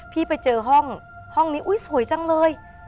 พี่ไปเจอห้องห้องนี้อุ๊ยสวยจังเลย